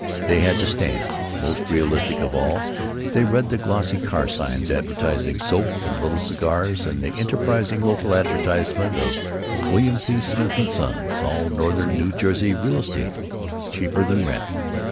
They had to stand. Most realistic of all, they read the glossy car signs advertising soap and little cigars, and the enterprising local advertisement of "Wm. P. Smith & Sons, All Northern New Jersey Real Estate, Cheaper Than Rent."